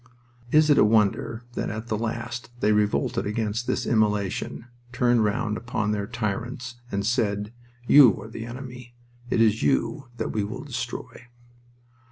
Is it a wonder that at the last they revolted against this immolation, turned round upon their tyrants, and said: "You are the enemy. It is you that we will destroy"?